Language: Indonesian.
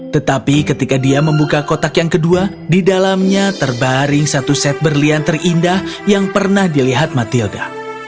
tetapi ketika dia membuka kotak yang kedua di dalamnya terbaring satu set berlian terindah yang pernah dilihat matilda